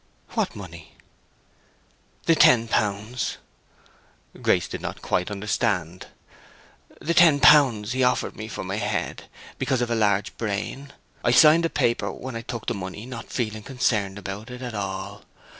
_" "What money?" "The ten pounds." Grace did not quite understand. "The ten pounds he offered me for my head, because I've a large brain. I signed a paper when I took the money, not feeling concerned about it at all.